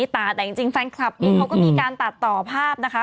แต่จริงแฟนคลับเองเขาก็มีการตัดต่อภาพนะคะ